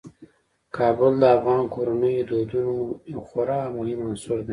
کابل د افغان کورنیو د دودونو یو خورا مهم عنصر دی.